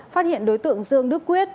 phát hiện đối tượng dương đức quyết